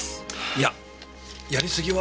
いややりすぎは困るよ。